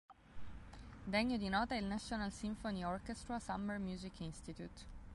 Degno di nota è il National Symphony Orchestra Summer Music Institute.